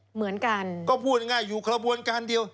เหมือนกันก็พูดง่ายอยู่กระบวนการเดียว